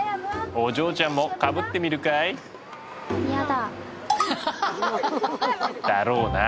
お嬢ちゃんもかぶってみるかい？だろうな。